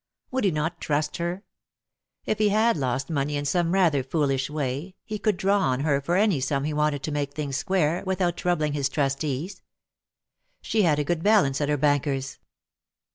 Would he not trust her? If he had lost money in some rather foolish way he could draw on her for any sum he wanted to make things square, mthout troubling his trustees. She had a good balance at her bankers.